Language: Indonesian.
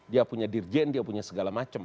dia punya dirjen dia punya segala macam